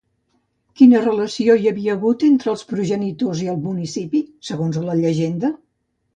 Quina relació hi havia hagut entre els progenitors i el municipi, segons una llegenda?